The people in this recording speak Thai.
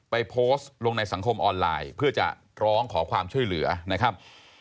โพสต์ลงในสังคมออนไลน์เพื่อจะร้องขอความช่วยเหลือนะครับ